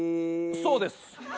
そうです。